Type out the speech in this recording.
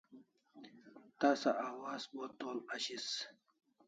Tasa awaz bo t'ol ashis